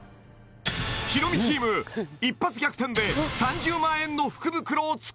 ヒロミチーム一発逆転で３０万円の福袋を作れるか？